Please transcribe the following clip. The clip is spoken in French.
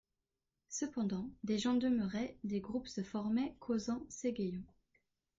Cependant, des gens demeuraient, des groupes se formaient, causant, s'égayant.